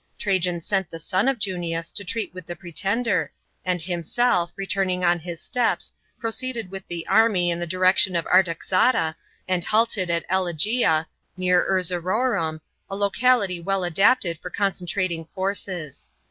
Trajan sent the son of Junius to treat with the pretender, and himself, returning on his s^eps, pro ceeded with the army in the direction of Artaxata, and halted at Elegeia (near Erzeroum), a locality well adapted for concentrating forces.